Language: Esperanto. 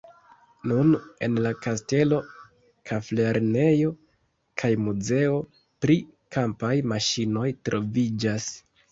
Nun en la kastelo faklernejo kaj muzeo pri kampaj maŝinoj troviĝas.